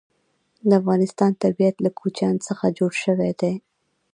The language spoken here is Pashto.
د افغانستان طبیعت له کوچیان څخه جوړ شوی دی.